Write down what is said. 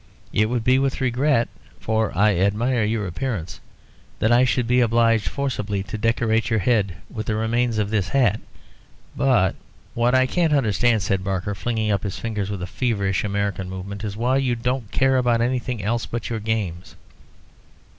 It would be with regret (for I admire your appearance) that I should be obliged forcibly to decorate your head with the remains of this hat, but " "What I can't understand," said Barker flinging up his fingers with a feverish American movement, "is why you don't care about anything else but your games."